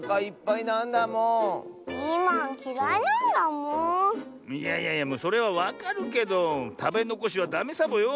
いやいやいやそれはわかるけどたべのこしはダメサボよ。